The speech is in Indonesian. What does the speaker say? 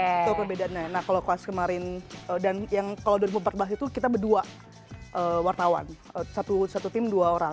itu perbedaannya nah kalau kuas kemarin dan yang kalau dua ribu empat belas itu kita berdua wartawan satu tim dua orang